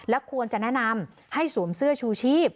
ควรจะแนะนำให้สวมเสื้อชูชีพ